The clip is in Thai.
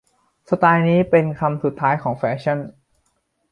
สไตล์นี้เป็นคำสุดท้ายของแฟชั่น